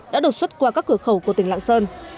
đã đột xuất qua các cửa khẩu của tỉnh lạng sơn